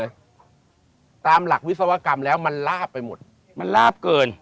ตามหลักวิศวกรรมแล้วมันลาบไปหมดมันลาบเกิน